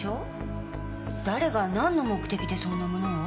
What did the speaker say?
誰がなんの目的でそんなものを？